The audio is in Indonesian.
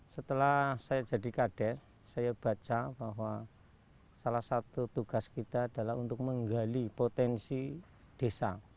setelah saya jadi kader saya baca bahwa salah satu tugas kita adalah untuk menggali potensi desa